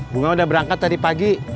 bunga udah berangkat tadi pagi